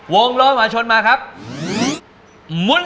วงร้อยหวาชนมาครับหมุนเลย